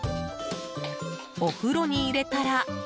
お風呂に入れたら。